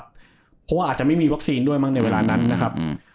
เพราะว่าอาจจะไม่มีวัคซีนด้วยมั้งในเวลานั้นนะครับ